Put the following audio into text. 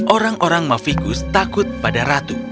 orang orang mafikus takut pada ratu